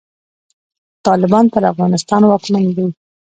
طالبان پر افغانستان واکمن دی.